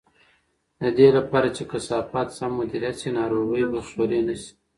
د دې لپاره چې کثافات سم مدیریت شي، ناروغۍ به خپرې نه شي.